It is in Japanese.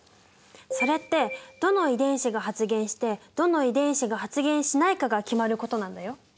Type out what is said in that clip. それってどの遺伝子が発現してどの遺伝子が発現しないかが決まることなんだよ。